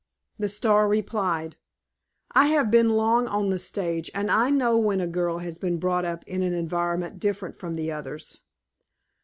"The star replied: 'I have been long on the stage and I know when a girl has been brought up in an environment different from the others.